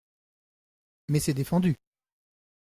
Mais c'est défendu.